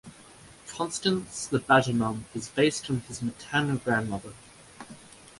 Constance the Badgermum is based on his maternal grandmother.